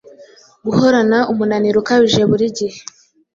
Guhorana umunaniro ukabije burigihe